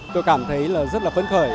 tôi cảm thấy là rất là phấn khởi